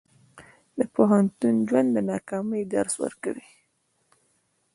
د پوهنتون ژوند د ناکامۍ درس ورکوي.